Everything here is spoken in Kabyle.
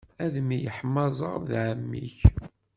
Ad temyeḥmaẓeḍ d ɛemmi-k.